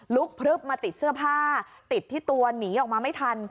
พลึบมาติดเสื้อผ้าติดที่ตัวหนีออกมาไม่ทัน